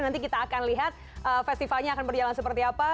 nanti kita akan lihat festivalnya akan berjalan seperti apa